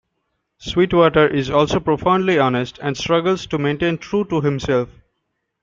Sweetwater is also profoundly honest and struggles to maintain true to himself.